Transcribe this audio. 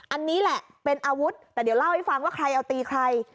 อันนี้แหละเป็นอาวุธแต่เดี๋ยวเล่าให้ฟังว่าใครเอาตีใคร